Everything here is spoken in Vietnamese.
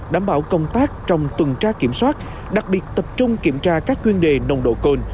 đảm bảo công tác trong tuần tra kiểm soát đặc biệt tập trung kiểm tra các chuyên đề nồng độ cồn